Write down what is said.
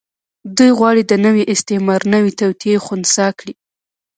دوی غواړي د نوي استعمار نوې توطيې خنثی کړي.